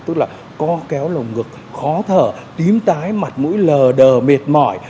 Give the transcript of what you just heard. tức là co kéo lồng ngực khó thở tím tái mặt mũi lờ đờ mệt mỏi